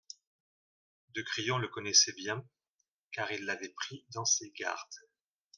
de Crillon le connaissait bien, car il l'avait pris dans ses gardes.